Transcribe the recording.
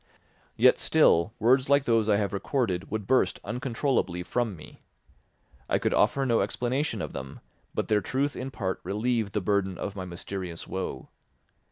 Yet, still, words like those I have recorded would burst uncontrollably from me. I could offer no explanation of them, but their truth in part relieved the burden of my mysterious woe.